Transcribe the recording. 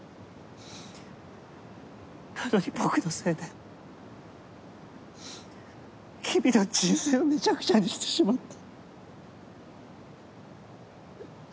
なのに僕のせいで君の人生をめちゃくちゃにしてしまった。